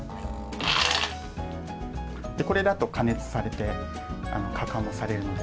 これだと加熱されて、かくはんもされるので。